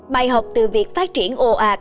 bài học từ việc phát triển ồ ạt